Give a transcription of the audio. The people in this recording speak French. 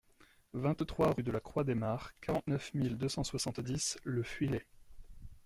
vingt-trois rue de la Croix des Mares, quarante-neuf mille deux cent soixante-dix Le Fuilet